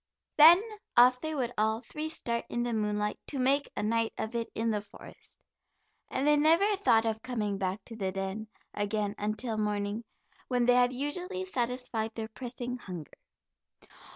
Then off they would all three start in the moonlight to make a night of it in the forest. And they never thought of coming back to the den again until morning, when they had usually satisfied their pressing hunger.